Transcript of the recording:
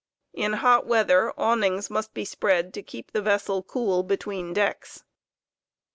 In hot weather, awnings must be spread to keep the vessel cool between decks.